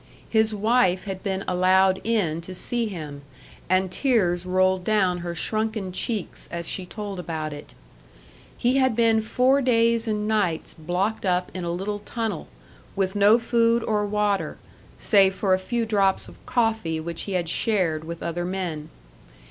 His wife had been allowed in to see him, and tears rolled down her shrunken cheeks as she told about it. He had been four days and nights blocked up in a little tunnel, with no food or water, save for a few drops of coffee which he had shared with other men.